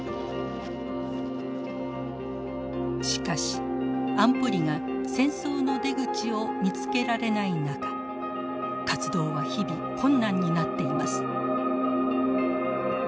しかし安保理が戦争の出口を見つけられない中活動は日々困難になっています。